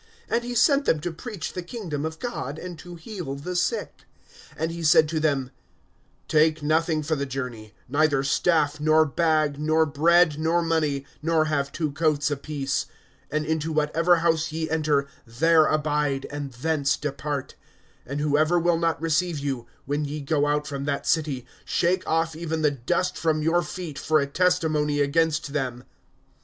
(2)And he sent them to preach the kingdom of God, and to heal the sick. (3)And he said to them: Take nothing for the journey, neither staff, nor bag, nor bread, nor money, nor have two coats apiece. (4)And into whatever house ye enter, there abide, and thence depart. (5)And whoever will not receive you, when ye go out from that city, shake off even the dust from your feet for a testimony against them.